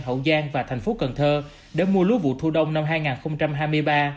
hậu giang và thành phố cần thơ để mua lúa vụ thu đông năm hai nghìn hai mươi ba